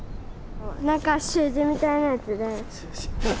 なんか習字みたいなやつで。